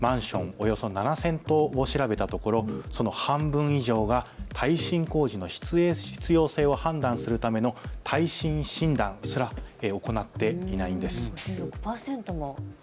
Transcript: およそ７０００棟を調べたところ、その半分以上が耐震工事の必要性を判断するための耐震診断すら行っていないんです。